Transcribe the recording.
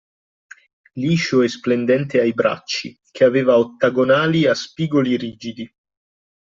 Liscio e splendente ai bracci, che aveva ottagonali a spigoli rigidi.